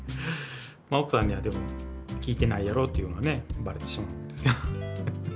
奥さんにはでも「聞いてないやろ」っていうのはねバレてしまうんですけど。